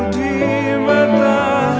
engkau jauh di mata